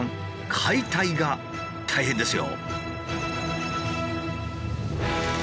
解体が大変ですよ。